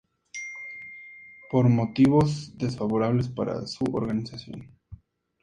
Por motivos desfavorables para a su organización.